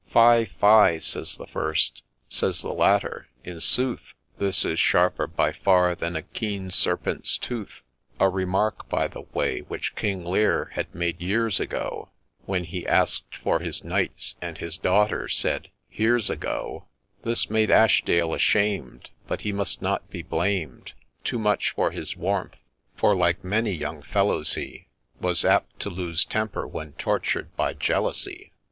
—' Fie ! fie !' says the first. — Says the latter, ' In sooth, This is sharper by far than a keen serpent's tooth 1 ' (A remark, by the way, which King Lear had made years ago, When he ask'd for his Knights, and his Daughter said, ' Here 'a a go !')— This made Ashdale ashamed ; But he must not be blamed Too much for his warmth, for like many young fellows he Was apt to lose temper when tortur'd by jealousy.